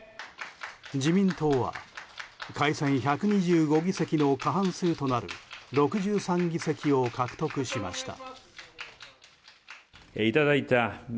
自民党は改選１２５議席の過半数となる６３議席を獲得しました。